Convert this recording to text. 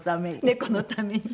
猫のために。